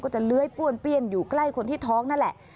จะเลื้อยป้วนเปี้ยนอยู่ใกล้คนที่ท้องนั่นแหละ